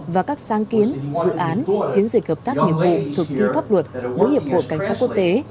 và các sáng kiến dự án chiến dịch hợp tác nghiệp vụ thực thi pháp luật với hiệp hội cảnh sát quốc tế